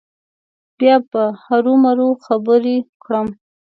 بیا به هرو مرو خبر کړم.